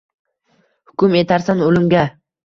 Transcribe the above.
Hukm etarsan o’limga.